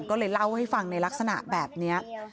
ก็เลยเล่าให้ฟังในลักษณะแบบนี้